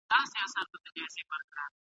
څوک چې کري هغه ریبي.